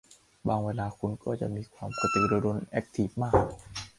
บางเวลาคุณก็จะมีความกระตือรือร้นแอ็คทีฟมาก